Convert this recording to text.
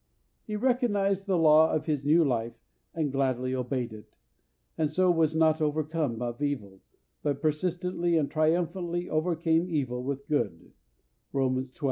He recognised the law of his new life and gladly obeyed it, and so was not overcome of evil, but persistently and triumphantly overcame evil with good (Romans xii.